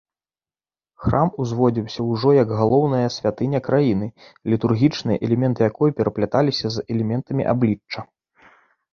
Храм узводзіўся ўжо як галоўная святыня краіны, літургічныя элементы якой перапляталіся з элементамі аблічча.